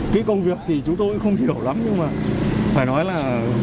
cái công việc thì chúng tôi cũng không hiểu lắm nhưng mà phải nói là